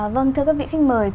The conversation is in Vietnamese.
vâng thưa các vị khách mời